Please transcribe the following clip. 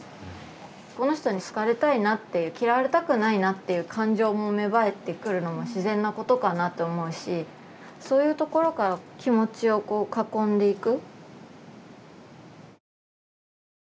この人に好かれたいなっていう嫌われたくないなっていう感情も芽生えてくるのも自然なことかなと思うしそういうところから気持ちをこう囲んでいく。